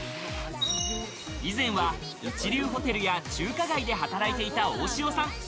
以前は一流ホテルや中華街で働いていた大塩さん。